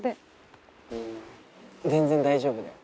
全然大丈夫だよ。